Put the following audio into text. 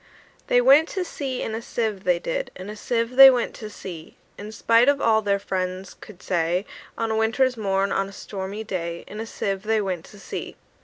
They went to sea in a sieve, they did; In a sieve they went to sea: In spite of all their friends could say, On a winter's morn, on a stormy day, In a sieve they went to sea.